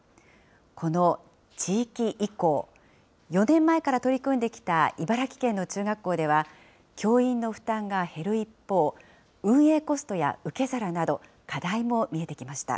この地域移行、４年前から取り組んできた茨城県の中学校では、教員の負担が減る一方、運営コストや受け皿など、課題も見えてきました。